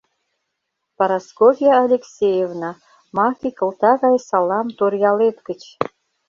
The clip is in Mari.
Парасковья Алексеевна, маке кылта гай салам Торъялет гыч.